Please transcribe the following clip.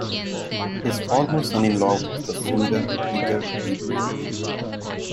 His former son-in-law was the singer Peter Gabriel.